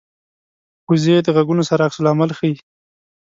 وزې د غږونو سره عکس العمل ښيي